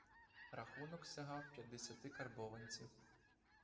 Рахунок сягав п'ятдесяти карбованців.